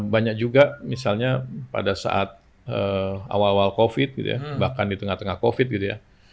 banyak juga misalnya pada saat awal awal covid gitu ya bahkan di tengah tengah covid gitu ya